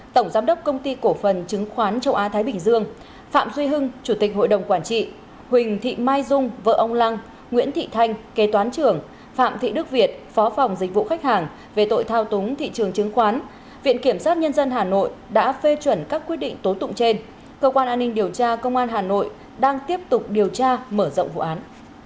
tổng giám đốc công ty cổ phần chứng khoán châu á thái bình dương phạm duy hưng chủ tịch hội đồng quản trị huỳnh thị mai dung vợ ông lăng nguyễn thị thanh kê toán trưởng phạm thị đức việt phó phòng dịch vụ khách hàng về tội thao túng thị trường chứng khoán viện kiểm sát nhân dân hà nội đã phê chuẩn các quyết định tố tụng trên cơ quan an ninh điều tra công an hà nội đang tiếp tục điều tra mở rộng vụ án